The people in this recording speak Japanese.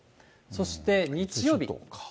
そして日曜日。